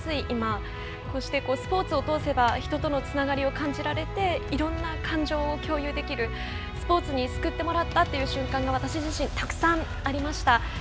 今こうしてスポーツを通せば人とのつながりを感じられて、いろんな感情を共有できるスポーツに救ってもらったという瞬間が私自身、たくさんありました。